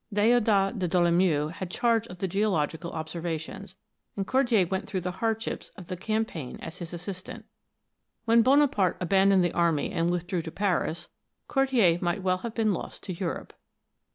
De"odat de Dolomieu had charge of the geological observations, and Cordier went through the hardships of the cam paign as his assistant. When Bonaparte abandoned the army and withdrew to Paris, Cordier might well have been lost to Europe.